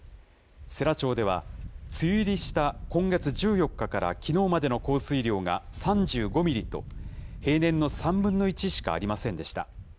世羅町では、梅雨入りした今月１４日からきのうまでの降水量が３５ミリと、平年の３分の１しかありませんでした。